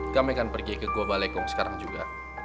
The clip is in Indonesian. kami akan pergi ke gua balekong sekarang juga